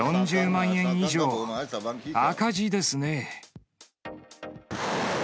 ４０万円以上赤字ですね。